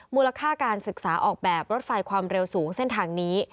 มูลค่าการศึกษาออกแบบรถไฟความเร็วสูงเส้นทางนี้